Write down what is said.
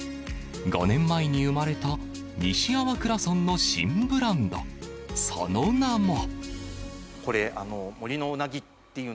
５年前に生まれた西粟倉村の新ブランドその名も。